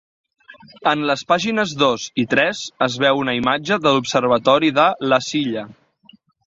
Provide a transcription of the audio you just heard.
En les pàgines dos i tres es veu una imatge de l'observatori de La Silla.